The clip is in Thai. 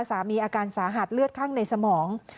อาการสาหัสเลือดข้างในสมอง